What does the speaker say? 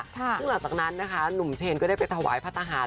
ซึ่งหลังจากนั้นนะคะหนุ่มเชนก็ได้ไปถวายพระทหาร